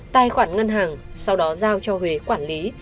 tài khoản ngân hàng sau đó giao cho huế quản lý